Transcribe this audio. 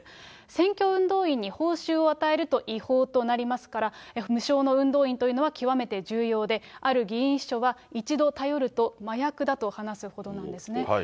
選挙運動員に報酬を与えると違法となりますから、無償の運動員というのは極めて重要で、ある議員秘書は、一度頼ると麻薬だと話すほどなんですね。